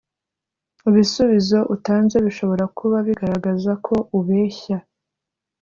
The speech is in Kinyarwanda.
ibisubizo utanze bishobora kuba bigaragaza ko ubeshya.